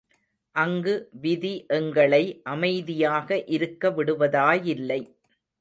அங்கு விதி எங்களை அமைதியாக இருக்க விடுவதாயில்லை.